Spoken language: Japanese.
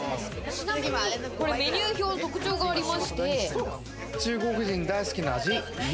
ちなみにメニュー表、特徴がありまして。